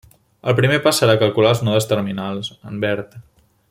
El primer pas serà calcular els nodes terminals, en verd.